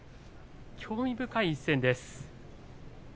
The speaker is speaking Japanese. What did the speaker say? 興味深い１戦です。